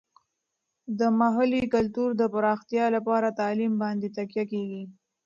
د محلي کلتور د پراختیا لپاره تعلیم باندې تکیه کیږي.